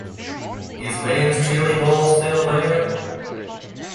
Is Ben's Chili Bowl still there?